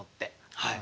はい。